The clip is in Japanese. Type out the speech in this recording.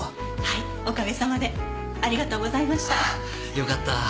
よかった。